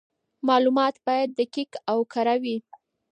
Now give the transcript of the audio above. معلومات باید دقیق او کره وي.